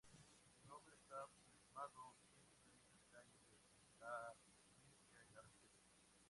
Su nombre esta plasmado en diferentes y calles de la Provincia y la Región.